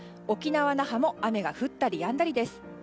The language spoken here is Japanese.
沖縄・那覇も雨が降ったりやんだりです。